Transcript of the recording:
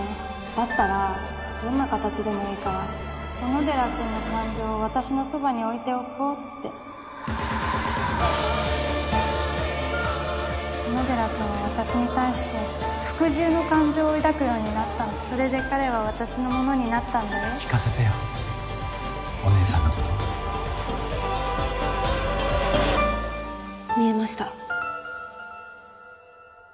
だったらどんな形でもいいから小野寺君の感情を私のそばに置いておこうって小野寺君は私に対して「服従」の感情を抱くようになったのそれで彼は私のものになったんだよ聞かせてよお姉さんのこと見えました。